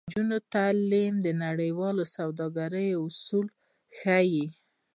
د نجونو تعلیم د نړیوال سوداګرۍ اصول ښيي.